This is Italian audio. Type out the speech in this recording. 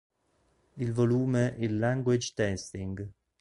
Il volume "Il Language Testing.